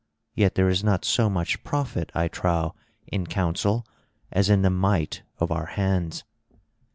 Yet there is not so much profit, I trow, in counsel as in the might of our hands.